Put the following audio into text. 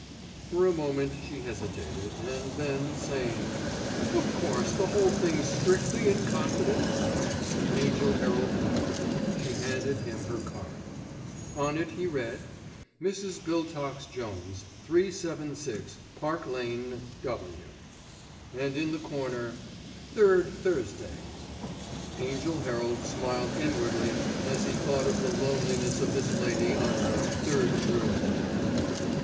For a moment she hesitated, and then saying, "Of course the whole thing's strictly in confidence?" Angell Herald bowed—she handed him her card. On it he read "Mrs. Biltox Jones, 376, Park Lane, W.," and in the corner "Third Thursdays." Angell Herald smiled inwardly as he thought of the loneliness of this lady on her "Third Thursdays."